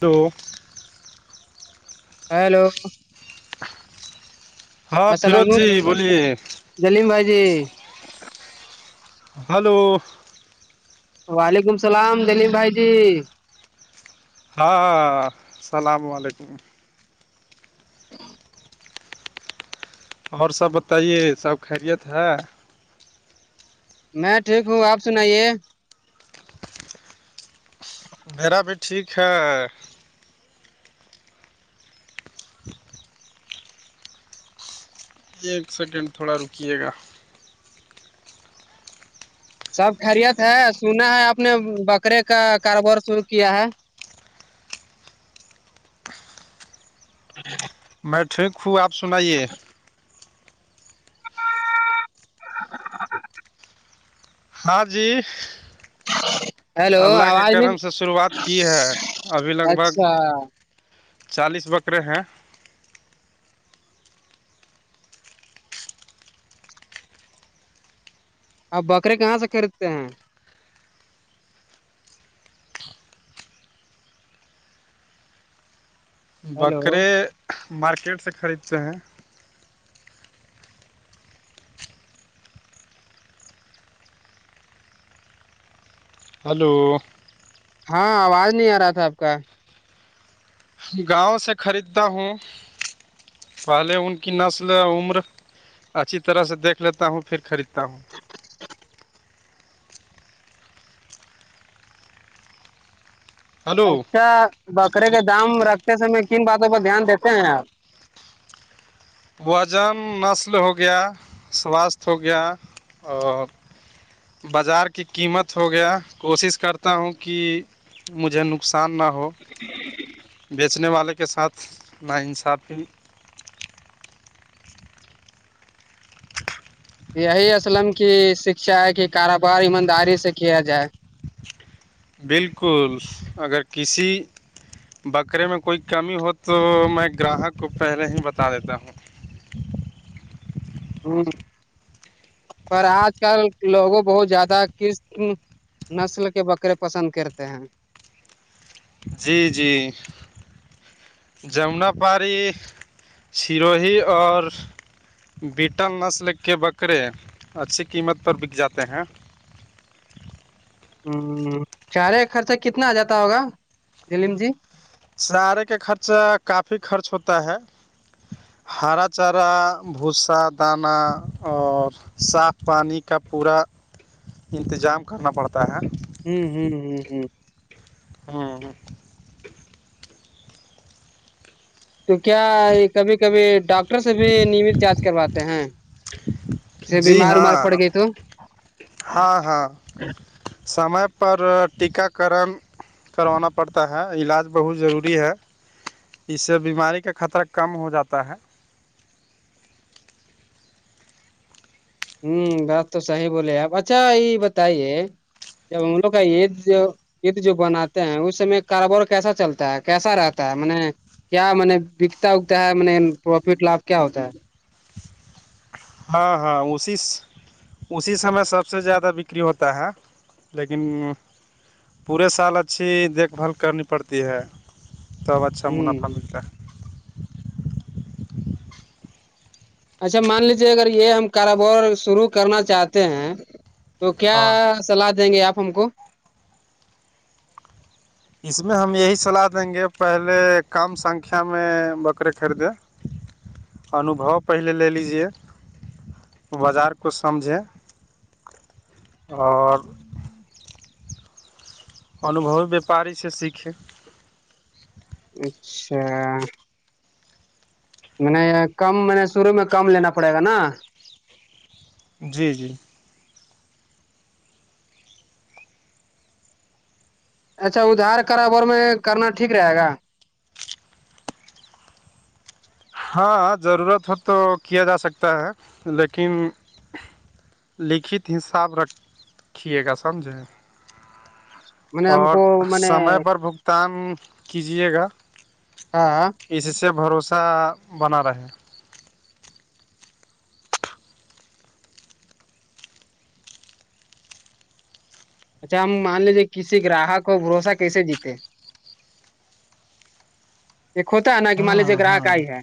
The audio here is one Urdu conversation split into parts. تو ہیلو ہاں السلام فیروز جی بولیے جلیم بھائی جی ہلو وعلیکم السلام دلیل بھائی جی ہاں السلام علیکم اور سب بتائیے سب خیریت ہے میں ٹھیک ہوں آپ سنائیے میرا بھی ٹھیک ہے ایک سڈنٹ تھوڑا رکیے گا سب خریت ہے سنا ہے آپ نے بکرے کا کاروبار شرو کیا ہے [inaudible] میں ٹھیک ہوں آپ سنائیے [inaudible] ہاں جی ہیلو اللہ کے آواز نہیں کرم سے شروعات کی ہے ابھی لگ بھگ اچھا چالیس بکرے ہیں آپ بکرے کہاں سے خریدتے ہیں ہیلو بکرے مارکیٹ سے خریدتے ہیں ہلو ہاں آواز نہیں آ رہا تھا آپ کا گاؤں سے خریدتا ہوں پہلے ان کی نسل عمر اچھی طرح سے دیکھ لیتا ہوں پھر خریدتا ہوں ہلو اچھا بکرے کے دام رکھتے سئے کن باتوں پر دھیان دیتے ہیں آپ وزن نسل ہو گیا سواستھ ہو گیا اور بازار کی قیمت ہو گیا کوشش کرتا ہوں کہ مجھے نقصان نہ ہو بیچنے والے کے ساتھ نا انصاف کی یہی اسلم کی شکھا ہے کہ کاروبار ایمانداری سے کیا جائے بالکل اگر کسی بکرے میں کوئی کمی ہو تو میں گراہک کو پہلے ہی بتا دیتا ہوں ہ پر آج کل لوگوں بہت زیادہ کس نسل کے بکرے پسند کرتے ہیں جی جی جمنا پاڑی سیروہی اور بیٹل نسل کے بکرے اچھی قیمت پر بک جاتے ہیں ہوں چارے کا خرچہ کتنا آ جاتا ہوگا دلیم جی سارے کا خرچہ کافی خرچ ہوتا ہے ہارا چارا بھوسا داناہ اور صاف پانی کا پورا انتظام کرنا پڑتا ہے ہوں ہوں ہوں ہوں ہ تو کیا کبھی کبھی ڈاکٹر سے بھی نیمت جانچ کرواتے ہیں ج جی بیمار مار ہاں پڑ گئی تو ہاں ہاں سمے پر ٹیکاکرن کروانا پڑتا ہے علاج بہت ضروری ہے اس سے بیماری کا خطرہ کم ہو جاتا ہے ہوں بات تو صحیح بولے ہیں آپ اچھا یہ بتائیے ج ہم لوگ کا یہید جو د جو بناتے ہیں اس س میں کاروبار کیسا چلتا ہے کیسا رہتا ہے م کیا م نے بکتا اگتا ہے م پروفٹ لابپ کیا ہوتا ہے ہاں ہاں اوشس اسی سمے سب سے زیادہ بکری ہوتا ہے لیکن پورے سال اچھی دیکھ بھال کرنی پڑتی ہے ت اب اچھا منافع ہ ہ ملتا ہے اچھا مان لیجیے اگر یہ ہم کاروبار شروع کرنا چاہتے ہیں تو کیا ہاں سلاح دیں گے آپ ہم کو اس میں ہم یہی صلاح دیں گے پہلے کم سنکھیا میں بکرے خریدیں [unintelligible] انوبو پہلے لے لیجیے بازار کوچھ سمجھے اور انوبوی وپاری سے سیکھیں اچھا میں نے کم میں نے شروع میں کم لینا پڑے گا نا جی جی اچھا ادھار کرابر میں کرنا ٹھیک رہے گا ہاں ضرورت ہو تو کیا جا سکتا ہے لیکن لکھت حساب رکھیے گا سمجھیں میں نے ہم اور کو میں نے سمے پر بھگت تان کیجیے گا ہاں اس سے بھروسہ بنا رہے اچھا ہم مان لیجیے کسی گراہک اور بھروسہ کیسے جیتے ایک ہوتا ہے نا کہ مان لیجیے ہاں گراہک ہاں آئی ہے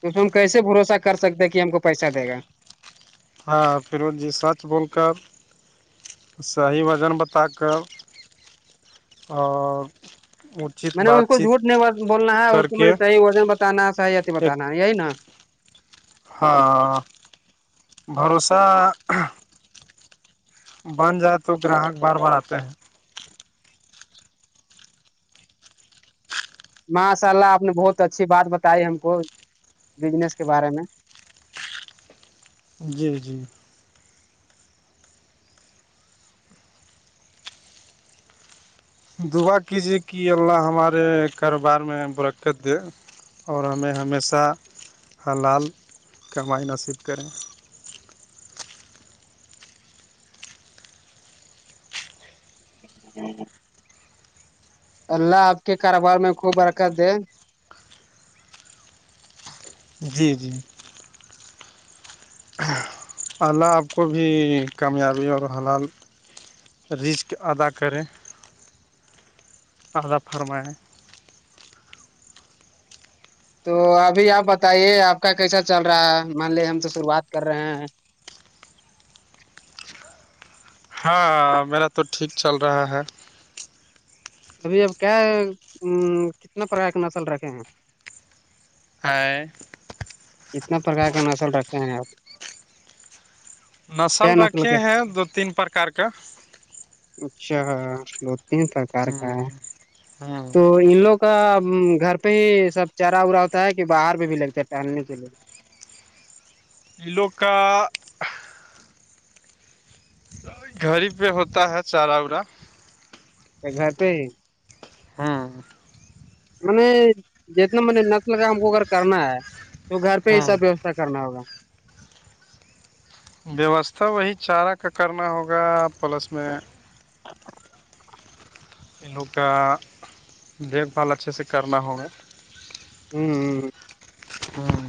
تو ہم کیسے بھروسہ کر سکتے ہیں کہ ہم کو پیسہ دے گا ہاں پھر وہ جی سچ بول کر سی وزن بتا کر اور اچت میں نے اس بات کو چیت جھوٹ نہیں بولنا ہے اس کر کو میں کے نے صحی وزن بتانا ہے صح اھی ایک بتانا ہے یہی نا ہاں بھروسہ بن جائے تو گراہک بار بار آتے ہیں ماشاء اللہ آپ نے بہت اچھی بات بتائی ہم کو بجنس کے بارے میں جی جی دعا کیجیے کہ اللہ ہمارے کاروبار میں برکت دے اور ہمیں ہمیشہ حلال کمائ نصیب کریں جی اللہ آپ کے کاروبار میں خوب برکت ہے جی جی الہ آپ کو بھی کامیابی اور حلال رسک ادا کریں [unintelligible] آذا فرمائیں [unintelligible] تو ابھی آپ بتائیے آپ کا کیسا چل رہا ہے مان لیے ہم تو شروعات کر رہے ہیں ہاں میرا تو ٹھیک چل رہا ہے ابھی اب کیا کتنا پرا نسل رکھے ہیں ہےائے [unintelligible] کتنا پرکار کا نسل رکھتے ہیں آپ نسل کیا رکھے کے ہیں دو تین پرکار کا اچھا دو تین پرکار کا ہ ہے ہ تو ان لوگ کا گھر پہ ہی سب چارا ورا ہوتا ہے کہ باہر پہ بھی لگتا ہے ٹہلنے کے لیے لوگ کا [unintelligible] گھر ہی پہ ہوتا ہے چارا وورا ا گھر پہ [unintelligible] ہاں میں نے جتنا م نے نس لگا ہم کو اگر کرنا ہے تو گھر پہ ہی ہوں سب ووستھا کرنا ہوگا ووستھا وہی چارہ کا کرنا ہوگا پلس میں [unintelligible] [unintelligible] ان لوگ کا دیکھ بھال اچھے سے کرنا ہوگ ھمم ھمم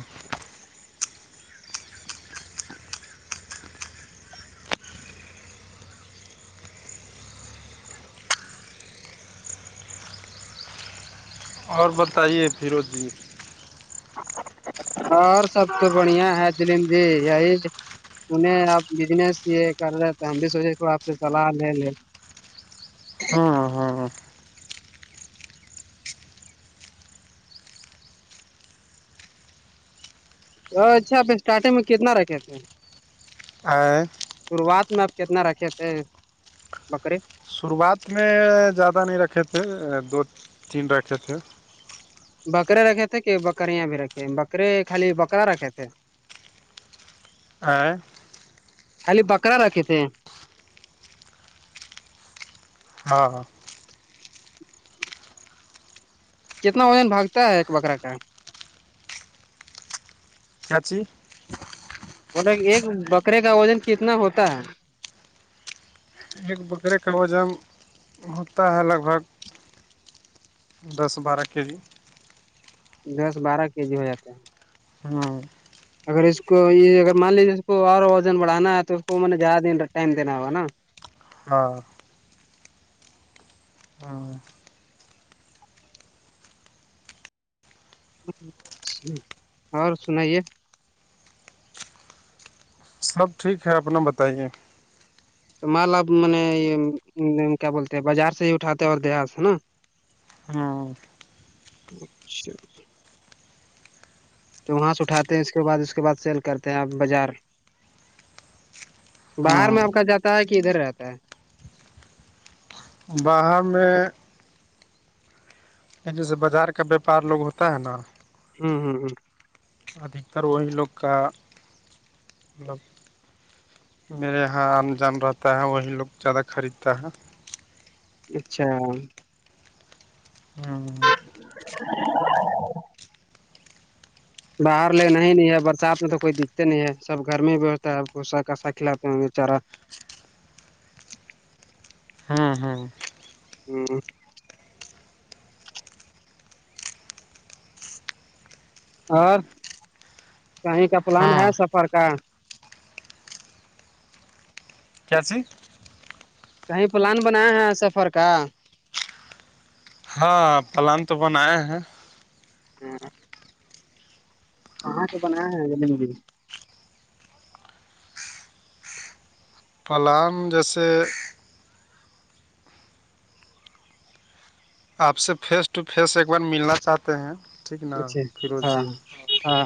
اور بتائیے پیرو جی اور سب تو بڑیا ہے جلیم جی ی انہیں آپ بزنس یہ کر رہے تھ ہم بھی سوچے تھوڑا آپ سے سلاح لے لے ہوں ہوں ا اچھا آپ اسٹارٹنگ میں کتنا رکھے تھ ہیں اور شروعات میں آپ کتنا رکھے تھے بکری شروعات میں زیادہ نہیں رکھے تھے دو تین رکھے تھے بکرے رکھے تھے کہ بکریاں بھی رکھے بکرے خالی بکرا رکھے تھے [unintelligible] [unintelligible] خالی بکرا رکھے تھے ہاں ہاں کتنا وزن بھگتا ہے ایک بکرا کا کیاچی مطلب ایک بکرے کا وزن کتنا ہوتا ہے ایک بکرے کا وجم ہوتا ہے لگ بھگ دس بارہ کے جی دس بارہ کے جی ہو جاتا ہے ہاں اگر اس کو یہ اگر مان لیجیے اس کو اور وزن بڑھانا ہے تو اس کو زیادہ دن ٹائم دینا ہوگا نا ہاں ہاں اور سنائیے سب ٹھیک ہے اپنا بتائیے تو مال اپ م یہ کیا بولتے بازار سے ہی اٹھاتے اور دیہات سے ہے نا ہاں اچھا تو وہاں سے اٹھاتے ہیں اس کے بعد اس کے بعد سیل کرتے ہیں آپ بازار باہر ہوں میں آپ کا جاتا ہے کہ ادھر رہتا ہے باہر میں جیسے بازار کا بیپار لوگ ہوتا ہے نا ہوں ہوں ہوں ادھتر وہی لوگ کا مطلب میرے یہاں ان جان رہتا ہے وہی لوگ زیادہ خریدتا ہے اچھا ہوں [unintelligible] باہر لےا نہیں ہے برسات میں تو کوئی دکھتتے نہیں ہے سب گھر میں ہی بھیوھا ہےھا کاسا کھلاتے ہیں بےچارا ہوں ہوں ہ اور کہیں کا پلان ہوں ہے سفر کا کیا س کہیں پلان بنایا ہے سفر کا ہاں پلان تو بناائے ہیں ہ ہاں کپ ن ج می پلانگ جیسے آپ سے فیس ٹو فیس ایک بار ملنا چاہتے ہیں ٹھیک ن اچھا فیروز ہاں جی ہاں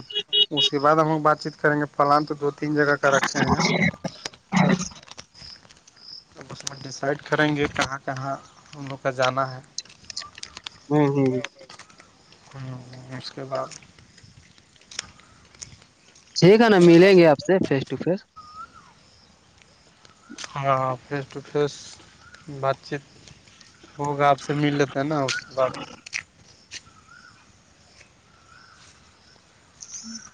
اس کے بعد ہم لوگ بات چیت کریں گے پلان تو دو تین جگہ کا رکھے ہیں اب ڈیسائڈ کریں گے کہاں کہاں ہم لوگ کا جانا ہے ہوں ہوں ہوں اس کے بعد ٹھیک ہے نا ملیں گے آپ سے فیس ٹو فیس ہاں فیس ٹو فیس بات چیت وہگ آپ سے مل لیتا ہے نا آپ جی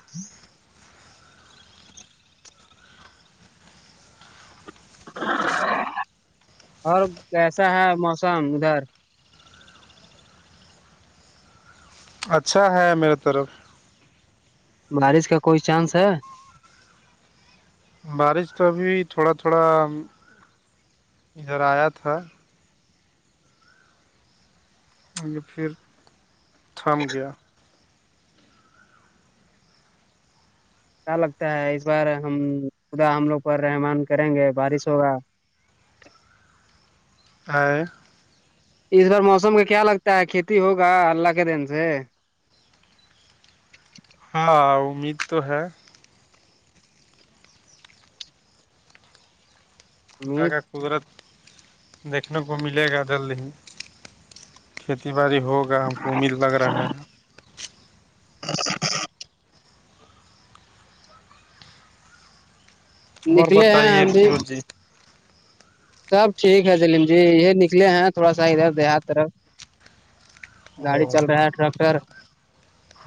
اور کیسا ہے موسم ادھر اچھا ہے میرے طرف بارش کا کوئی چانس ہے بارش تو ابھی تھوڑا تھوڑا ادھر آیا تھا ان پھر تھم گیا کیا لگتا ہے اس بار ہم خدا ہم لوگ پر رحمان کریں گے بارش ہوگا اور اس بار موسم کا کیا لگتا ہے کھیتی ہوگا اللہ کے دین سے ہاں امید تو ہے امید کا قدرت دیکھنے کو ملے گا جلد ہی کھیتی باڑی ہوگا ہم کو امید لگ رہا ہے ا [inaudible] اور نکلے ہیں بتائیے ہم بھی فیروز جی سب ٹھیک ہے جلیم جی یہ نکلے ہیں تھوڑا سا ادھر دیہات طرف گاڑی او چل رہا ہے ٹریکٹر